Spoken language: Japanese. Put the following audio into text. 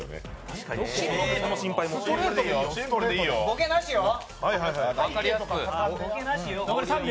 ボケなしよ。